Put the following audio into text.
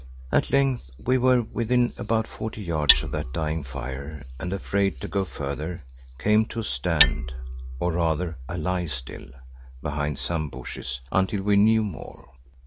At length we were within about forty yards of that dying fire and, afraid to go further, came to a stand—or rather, a lie still—behind some bushes until we knew more.